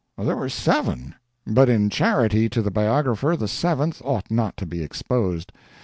There were seven; but in charity to the biographer the seventh ought not to be exposed.